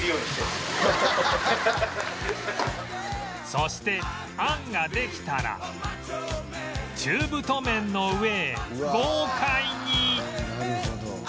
そして餡ができたら中太麺の上へ豪快に！